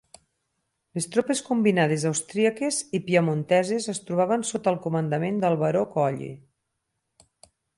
Les tropes combinades austríaques i piamonteses es trobaven sota el comandament del Baró Colli.